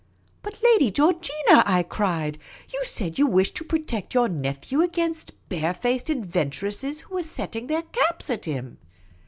" But, Lady Georgina," I cried, " you said you wished to protect your nephew against bare faced adventuresses who were setting their caps at him."